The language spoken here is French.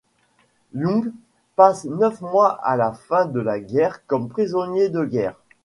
Young passe neuf mois à la fin de la guerre comme prisonnier de guerre.